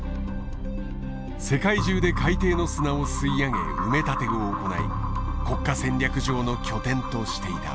世界中で海底の砂を吸い上げ埋め立てを行い国家戦略上の拠点としていた。